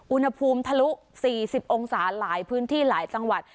อุณหภูมิทะลุ๔๐องศาหลายพื้นที่หลายจังหวัด